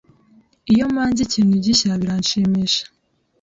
“Iyo mpanze ikintu gishya biranshimisha